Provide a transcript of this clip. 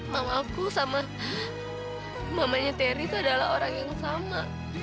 maafku sama mamanya terry itu adalah orang yang sama